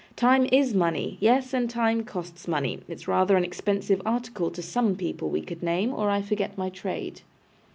Time IS money! Yes, and time costs money; it's rather an expensive article to some people we could name, or I forget my trade.